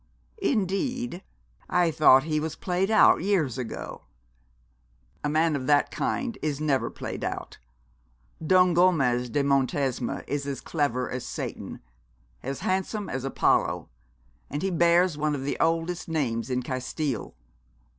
'Indeed! I thought he was played out years ago.' 'A man of that kind is never played out. Don Gomez de Montesma is as clever as Satan, as handsome as Apollo, and he bears one of the oldest names in Castile.